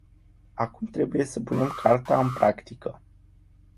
Acum trebuie să punem carta în practică.